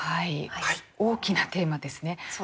大きなテーマですね。